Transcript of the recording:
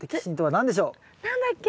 何だっけ？